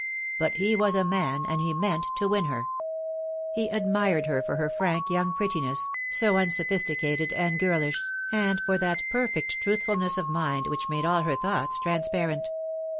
But he was a man, and he meant to win her. He admired her for her frank young prettiness, so unsophisticated and girlish, and for that perfect truthfulness of mind which made all her thoughts transparent.